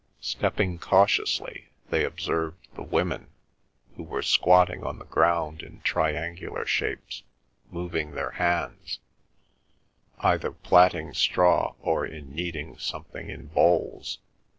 Stepping cautiously, they observed the women, who were squatting on the ground in triangular shapes, moving their hands, either plaiting straw or in kneading something in bowls.